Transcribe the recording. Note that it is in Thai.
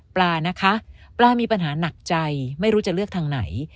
ปลานะคะปลามีปัญหาหนักใจไม่รู้จะเลือกทางไหน